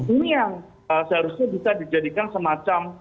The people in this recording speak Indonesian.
ini yang seharusnya bisa dijadikan semacam